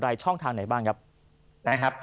คุณสินทะนันสวัสดีครับ